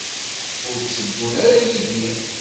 Ur tteddun ara yid-i?